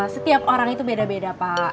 setiap orang itu beda beda pak